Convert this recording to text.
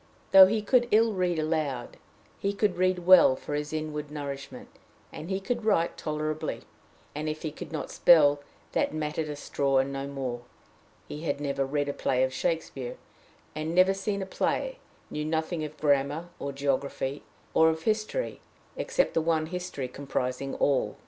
Though he could ill read aloud, he could read well for his inward nourishment; he could write tolerably, and, if he could not spell, that mattered a straw, and no more; he had never read a play of Shakespeare had never seen a play; knew nothing of grammar or geography or of history, except the one history comprising all.